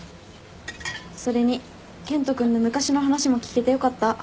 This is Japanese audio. それに健人君の昔の話も聞けてよかった。